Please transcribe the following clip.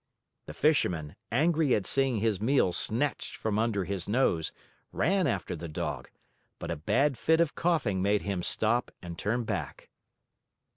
The Fisherman, angry at seeing his meal snatched from under his nose, ran after the Dog, but a bad fit of coughing made him stop and turn back.